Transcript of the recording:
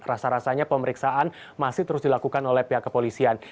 rasa rasanya pemeriksaan masih terus dilakukan oleh pihak kepolisian